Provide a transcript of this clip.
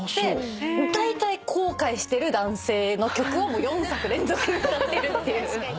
だいたい後悔してる男性の曲を４作連続歌ってるっていう。